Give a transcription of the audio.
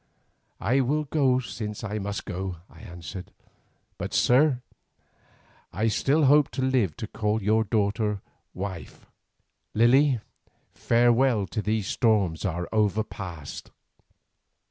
"I will go since I must go," I answered, "but, sir, I still hope to live to call your daughter wife. Lily, farewell till these storms are overpast."